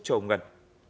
cho ông ngân